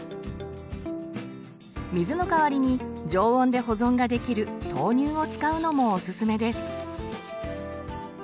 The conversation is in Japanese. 水の代わりに常温で保存ができる豆乳を使うのもおすすめです。